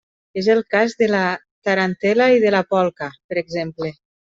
És el cas de la tarantel·la i de la polca, per exemple.